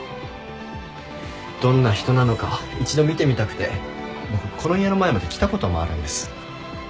どんな人なのか一度見てみたくて僕この家の前まで来た事もあるんです。